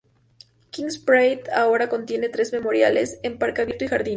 Kings Parade ahora contiene tres memoriales, un parque abierto y jardines.